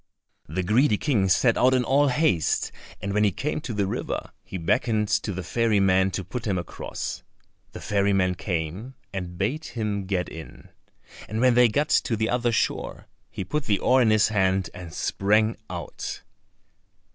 The greedy King set out in all haste, and when he came to the river he beckoned to the ferry man to put him across. The ferry man came and bade him get in, and when they got to the other shore he put the oar in his hand and sprang out.